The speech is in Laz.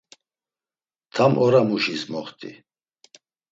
Tam oramuşis moxti.